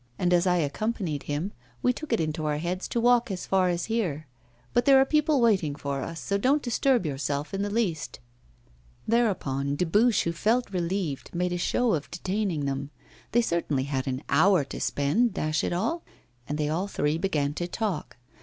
And as I accompanied him, we took it into our heads to walk as far as here. But there are people waiting for us, so don't disturb yourself in the least.' Thereupon, Dubuche, who felt relieved, made a show of detaining them. They certainly had an hour to spare, dash it all! And they all three began to talk.